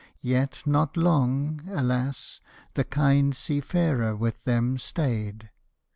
Yet not long, Alas! the kind sea farer with them stayed.